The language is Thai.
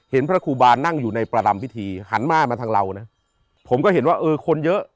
พระครูบานั่งอยู่ในประรำพิธีหันมาทางเรานะผมก็เห็นว่าเออคนเยอะ